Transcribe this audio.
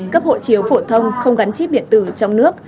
cấp hộ chiếu phổ thông không gắn chip điện tử trong nước